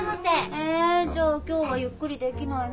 えーっ？じゃあ今日はゆっくりできないの？